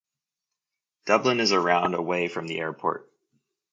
Dublin is around away from the airport.